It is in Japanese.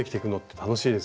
楽しいです。